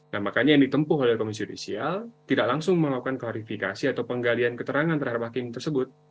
nah makanya yang ditempuh oleh komisi judisial tidak langsung melakukan klarifikasi atau penggalian keterangan terhadap hakim tersebut